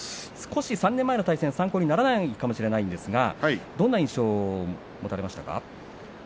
３年前の対戦は参考にならないかもしれませんがどんな印象を持ちましたか。